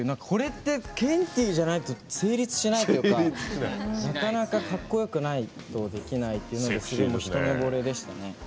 これってケンティーじゃないと成立しないというかなかなか、かっこよくないとできないっていうのでセクシーに一目ぼれでしたね。